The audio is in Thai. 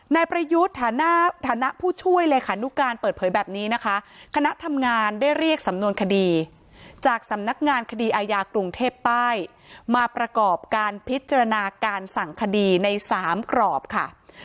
นายประยุทธ์ฐานะผู้ช่วยเลขานุการเปิดเผยแบบนี้นะคะคณะทำงานได้เรียกสำนวนคดีจากสำนักงานคดีอาญากรุงเทพใต้มาประกอบการพิจารณาการสั่งคดีใน๓กรอบค่ะ